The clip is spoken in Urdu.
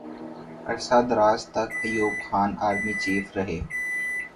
عرصہ دراز تک ایوب خان آرمی چیف رہے۔